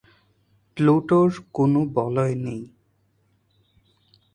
প্লুটোর কোন বলয় নেই।